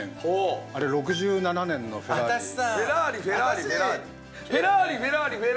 あれ６７年のフェラーリです。